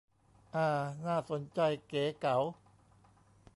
อ่า น่าสนใจ เก๋เก๋า